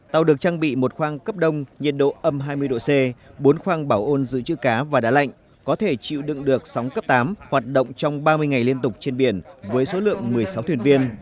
tàu được trang bị một khoang cấp đông nhiệt độ âm hai mươi độ c bốn khoang bảo ôn giữ chữ cá và đá lạnh có thể chịu đựng được sóng cấp tám hoạt động trong ba mươi ngày liên tục trên biển với số lượng một mươi sáu thuyền viên